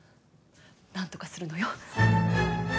何とかするのよ。